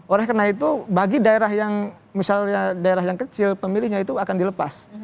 oleh karena itu bagi daerah yang misalnya daerah yang kecil pemilihnya itu akan dilepas